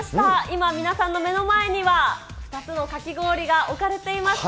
今皆さんの目の前には、２つのかき氷が置かれています。